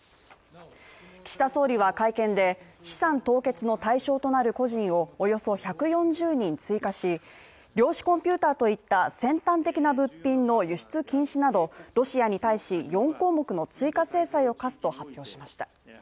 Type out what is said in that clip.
岸田総理は会見で、資産凍結の対象となる個人をおよそ１４０人追加し、量子コンピュータといった先端的な物品の輸出禁止など、ロシアに対し４項目の追加制裁を科すと発表しました。